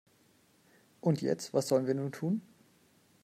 Und jetzt, was sollen wir nur tun?